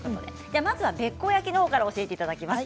まずべっこう焼きのほうから教えていただきます。